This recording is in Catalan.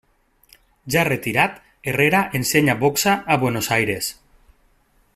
Ja retirat, Herrera ensenya boxa a Buenos Aires.